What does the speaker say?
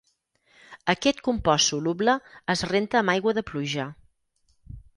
Aquest compost soluble es renta amb aigua de pluja.